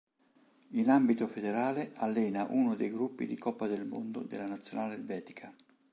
In ambito federale allena uno dei gruppi di Coppa del Mondo della nazionale elvetica.